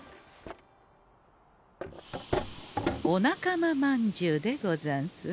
お仲間まんじゅうでござんす。